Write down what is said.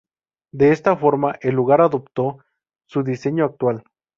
De esta forma el lugar adoptó su diseño actual.